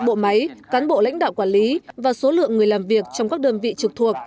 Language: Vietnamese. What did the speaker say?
bộ máy cán bộ lãnh đạo quản lý và số lượng người làm việc trong các đơn vị trực thuộc